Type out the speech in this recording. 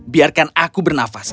biarkan aku bernafas